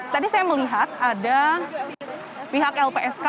tadi saya melihat ada pihak lpsk